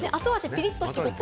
ピリッとしてる。